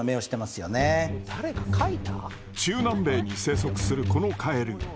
中南米に生息するこのカエル。